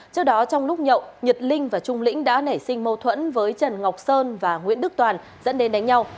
trước đó trong lúc nhậu nhật linh và trung lĩnh đã nảy sinh mâu thuẫn với trần ngọc sơn và nguyễn đức toàn dẫn đến đánh nhau